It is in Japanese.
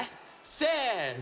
せの！